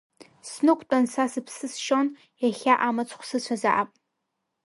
Снықәтәан са сыԥсысшьон, иахьа амыцхә сыцәазаап.